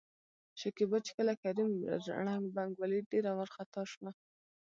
شکيبا چې کله کريم ړنګ، بنګ ولېد ډېره ورخطا شوه.